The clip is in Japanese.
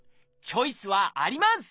チョイスはあります！